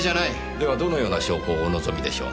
ではどのような証拠をお望みでしょう？